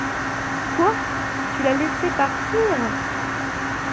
Quoi? Tu l'as laissé partir ?